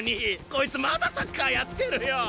こいつまだサッカーやってるよ。